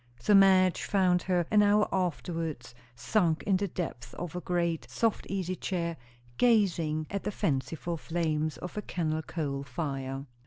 So Madge found her an hour afterwards, sunk in the depths of a great, soft easy chair, gazing at the fanciful flames of a kennel coal fire.